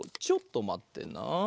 ちょっとまってな。